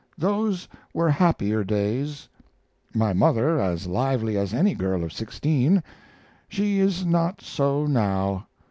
Those were happier days. My mother was as lively as any girl of sixteen. She is not so now.